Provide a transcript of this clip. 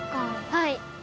はい。